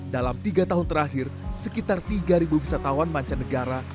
dalam tiga tahun terakhir sekitar tiga wisatawan mancanegara